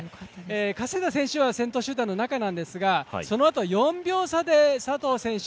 加世田選手は先頭集団の中なんですがそのあと、４秒差で佐藤選手